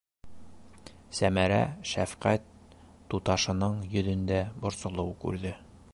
...Сәмәрә шәфҡәт туташының йөҙөндә борсолоу күрҙе.